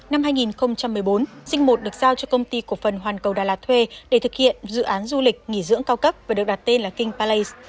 năm hai nghìn một mươi bốn dinh một được giao cho công ty cổ phần hoàn cầu đà lạt thuê để thực hiện dự án du lịch nghỉ dưỡng cao cấp và được đặt tên là king palace